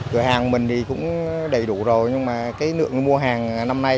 cửa hàng của mình thì cũng đầy đủ rồi nhưng mà cái lượng mua hàng năm nay